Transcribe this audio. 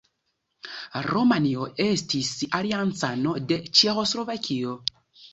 Rumanio estis aliancano de Ĉeĥoslovakio.